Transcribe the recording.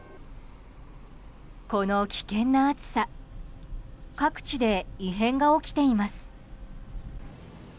この危険な暑さ各地で異変が起きています。